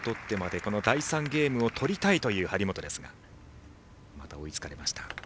この第３ゲームを取りたいという張本ですがまた、追いつかれました。